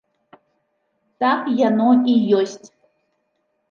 Так яно і ёсць.